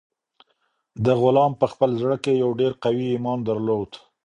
دغه غلام په خپل زړه کې یو ډېر قوي ایمان درلود.